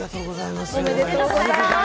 おめでとうございます。